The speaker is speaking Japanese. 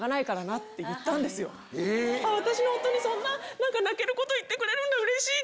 私の夫にそんな泣けること言ってくれるんだうれしい！